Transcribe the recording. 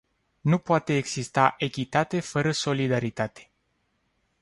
Nu poate exista echitate fără solidaritate.